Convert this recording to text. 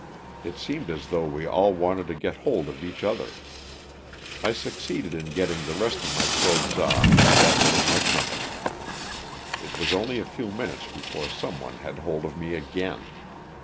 It seemed as though we all wanted to get hold of each other. I succeeded in getting the rest of my clothes off and got rid of my company. It was only a few minutes before some one had hold of me again.